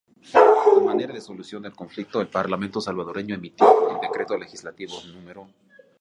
A manera de solución del conflicto, el parlamento salvadoreño emitió el Decreto Legislativo No.